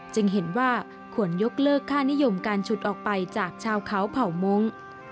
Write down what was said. จึงเห็นว่าควรยกเลิกค่านิยมการฉุดออกไปจากชาวเขาเผ่ามงค์